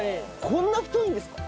こんな太いんですか？